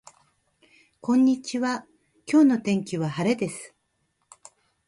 こんにちは今日の天気は晴れです